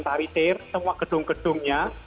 tari tir semua gedung gedungnya